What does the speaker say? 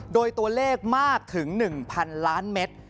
โดยตัวเลขมากถึง๑๐๐๐ล้านเมตร